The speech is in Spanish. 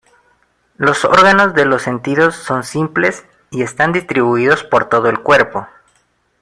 Los órganos de los sentidos son simples y están distribuidos por todo el cuerpo.